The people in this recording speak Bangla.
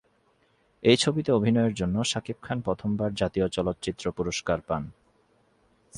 এই ছবিতে অভিনয়ের জন্য শাকিব খান প্রথমবার জাতীয় চলচ্চিত্র পুরস্কার পান।